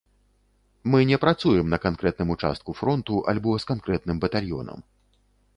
Мы не працуем на канкрэтным участку фронту альбо з канкрэтным батальёнам.